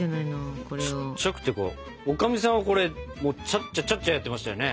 おかみさんはこれちゃっちゃちゃっちゃやってましたよね。